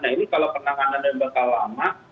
nah ini kalau penanganan yang bakal lama